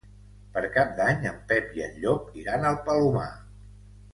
Per Cap d'Any en Pep i en Llop iran al Palomar.